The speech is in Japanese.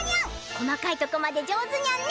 細かいとこまで上手ニャンね。